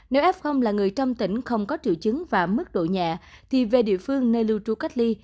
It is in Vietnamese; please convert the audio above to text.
nếu f là người trong tỉnh không có triệu chứng và mức độ nhẹ thì về địa phương nơi lưu trú cách ly